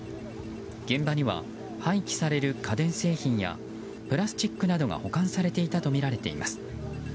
現場には、廃棄される家電製品やプラスチックなどが保管されていたとみられています。